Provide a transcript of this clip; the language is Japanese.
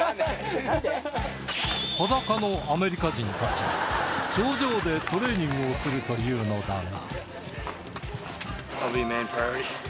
裸のアメリカ人たち頂上でトレーニングをするというのだが